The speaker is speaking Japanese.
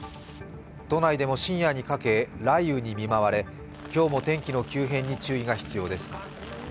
都内でも深夜にかけ、雷雨に見舞われ今日も天気の急変に注意が必要です。